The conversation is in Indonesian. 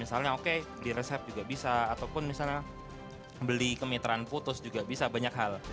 misalnya oke beli resep juga bisa ataupun misalnya beli kemitraan putus juga bisa banyak hal